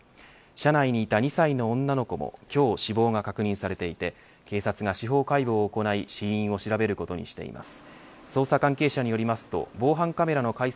車内にいた２歳の女の子も今日、死亡が確認されていて警察が司法解剖を行い死因を調べることにしています。